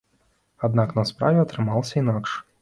Аднак на справе атрымалася інакш.